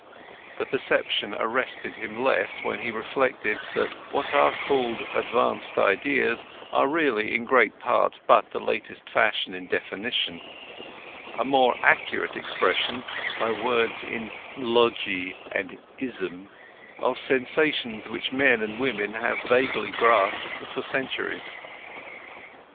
The perception arrested him less when he reflected that what are called advanced ideas are really in great part but the latest fashion in definition—a more accurate expression, by words in logy and ism, of sensations which men and women have vaguely grasped for centuries.